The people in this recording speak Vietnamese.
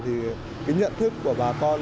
thì nhận thức của bà con